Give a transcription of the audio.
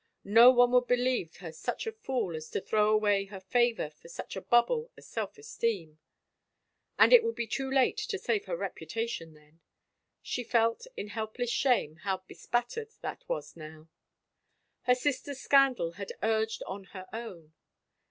No one would believe her such a fool as to throw away her favor for such a bubble as self esteem. And it would be too late to save her reputation then. She felt, in helpless shame, how bespattered that was now. Her sister's scandal had urged on her own.